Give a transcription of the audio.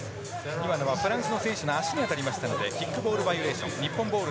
今のはフランスの選手の足に当たりましたのでキックボール